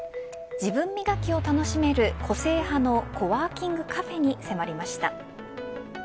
自分磨きを楽しめる個性派のコワーキングカフェに迫りました。